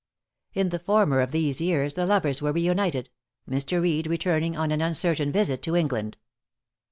In the former of these years, the lovers were re united, Mr. Reed returning on an uncertain visit to England.